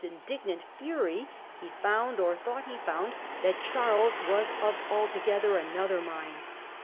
indignant fury, he found, or thought he found, that Charles was of altogether another mind.